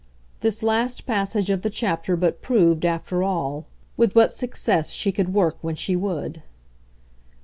This last passage of the chapter but proved, after all, with what success she could work when she would.